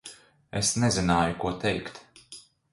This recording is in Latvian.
Es nezināju, ko teikt.